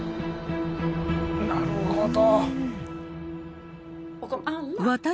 なるほど。